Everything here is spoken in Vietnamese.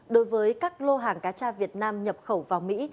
đối với các lô hàng cá cha việt nam nhập khẩu vào mỹ